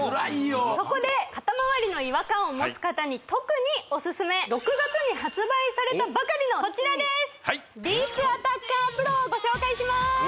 そこで肩まわりの違和感を持つ方に特にオススメ６月に発売されたばかりのこちらでーすディープアタッカーＰＲＯをご紹介しまーす